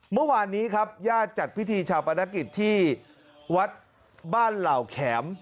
เมื่อวานนี้ครับญาติจัดพิธีชาปนกิจที่วัดบ้านเหล่าแข็ม